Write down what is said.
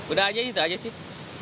udah aja gitu aja sih